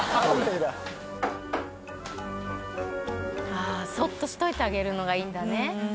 あぁそっとしといてあげるのがいいんだね。